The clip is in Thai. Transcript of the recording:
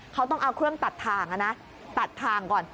เขาต้องเอาเครื่องตัดทางตัดทางก่อน